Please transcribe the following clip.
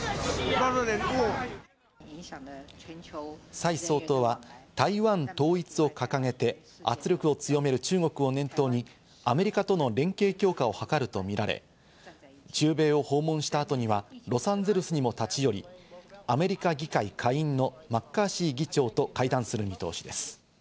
サイ総統は台湾統一を掲げて、圧力を強める中国を念頭に、アメリカとの連携強化を図るとみられ、中米を訪問した後にはロサンゼルスにも立ち寄り、アメリカ議会下院のマッカーシー議長と会談する見通しです。